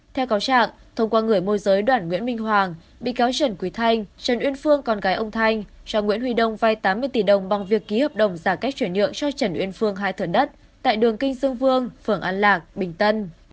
theo cáo trạng thông qua người môi giới đoạn nguyễn minh hoàng bị cáo trần quý thanh trần uyên phương còn gái ông thanh cho nguyễn huy đông vai tám mươi tỷ đồng bằng việc ký hợp đồng giả cách chuyển nhượng cho trần uyên phương hai thửa đất tại đường kinh dương vương phường an lạc bình tân